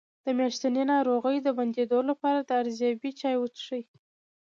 د میاشتنۍ ناروغۍ د بندیدو لپاره د رازیانې چای وڅښئ